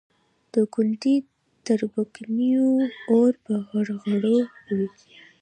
د ګوندي تربګنیو اور په غړغړو وي.